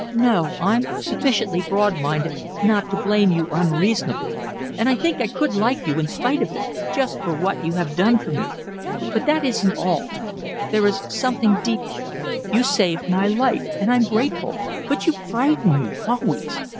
No; I'm sufficiently broad minded not to blame you unreasonably, and I think I could like you in spite of it, just for what you have done for me; but that isn't all. There is something deeper. You saved my life and I'm grateful, but you frighten me, always.